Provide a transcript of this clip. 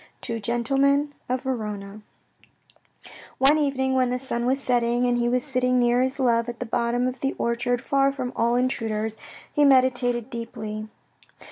Two Gentlemen of Verona, One evening when the sun was setting, and he was sitting near his love, at the bottom of the orchard, far from all intruders, he meditated deeply.